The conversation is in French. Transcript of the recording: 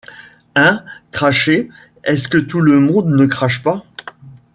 Hein ? cracher ! est-ce que tout le monde ne crache pas ?